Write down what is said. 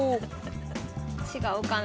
違うかな。